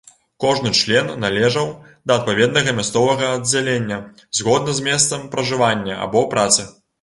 Кожны член належаў да адпаведнага мясцовага аддзялення згодна з месцам пражывання, або працы.